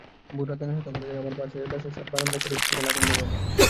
ভোররাতে নাশকতাকারীরা আমার বাসার সামনের বারান্দায় কেরোসিন ঢেলে আগুন ধরিয়ে দেয়।